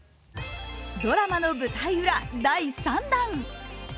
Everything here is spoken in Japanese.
ドラマの舞台裏第３弾。